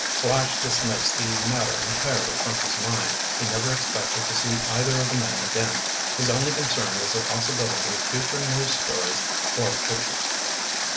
Flash dismissed the matter entirely from his mind. He never expected to see either of the men again. His only concern was the possibility of future news stories or pictures.